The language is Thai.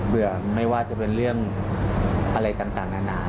ไม่ว่าจะเป็นเรื่องอะไรต่างนานา